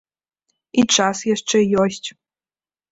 І час яшчэ ёсць.